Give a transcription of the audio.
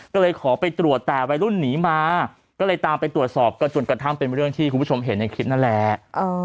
ก็เลยขอไปตรวจแต่วัยรุ่นหนีมาก็เลยตามไปตรวจสอบก็จนกระทั่งเป็นเรื่องที่คุณผู้ชมเห็นในคลิปนั่นแหละ